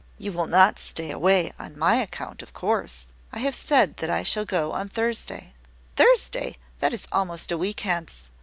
"You will not stay away on my account, of course." "I have said that I shall go on Thursday." "Thursday! that is almost a week hence.